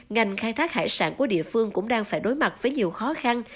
ngành khai thác hải sản của địa phương cũng đang phải đối mặt với nhiều khó khăn